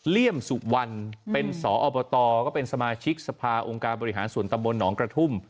เลี่ยมสุวรรณเป็นสอบตก็เป็นสมาชิกสภาองค์การบริหารส่วนตำบลหนองกระทุ่ม